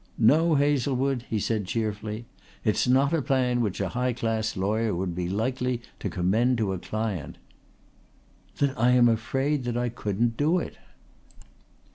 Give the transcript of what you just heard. "No, Hazlewood," he said cheerfully: "it's not a plan which a high class lawyer would be likely to commend to a client." "Then I am afraid that I couldn't do it."